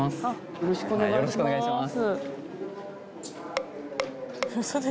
よろしくお願いします